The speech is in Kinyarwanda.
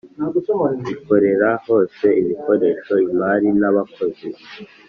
bikorera hose ibikoresho imari n abakozi